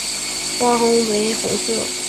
花萼为红色。